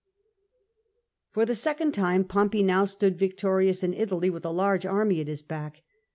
For the second time Pompey now stood victorious in Italy with a large army at his back.